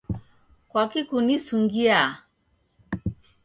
Kwaki kunisungiaa?